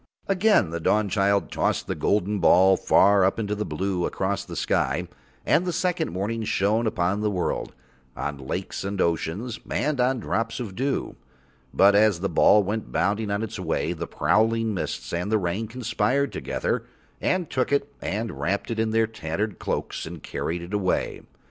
Again the Dawnchild tossed the golden ball far up into the blue across the sky, and the second morning shone upon the world, on lakes and oceans, and on drops of dew. But as the ball went bounding on its way, the prowling mists and the rain conspired together and took it and wrapped it in their tattered cloaks and carried it away.